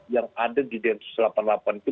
yang ada di d satu ratus delapan puluh delapan itu